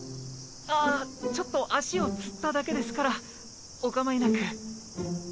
あちょっと足をつっただけですからお構いなく。